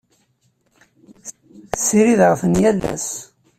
Ssirideɣ-ten yal ass.